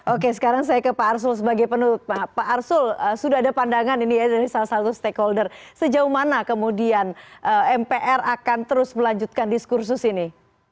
oke sekarang saya ke pak arsul sebagai penutup pak arsul sudah ada pandangan ini ya dari salah satu stakeholder sejauh mana kemudian mpr akan terus melanjutkan diskursus ini